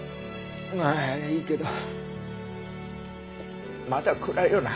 ああいいけどまだ暗いよな。